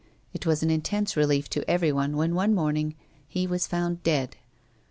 It was an intense relief to everyone when one morning he was found dead.